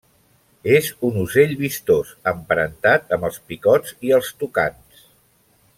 És un ocell vistós, emparentat amb els picots i els tucans.